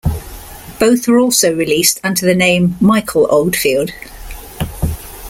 Both were also released under the name Michael Oldfield.